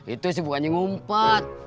itu sih bukannya ngumpet